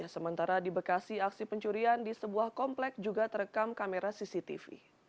sementara di bekasi aksi pencurian di sebuah komplek juga terekam kamera cctv